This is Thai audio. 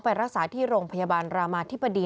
ไปรักษาที่โรงพยาบาลรามาธิบดี